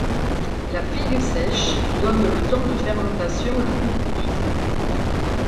La figue sèche donne le temps de fermentation le plus court.